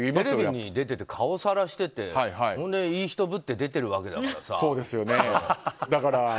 テレビに出て顔をさらしてていい人ぶって出てるわけだから。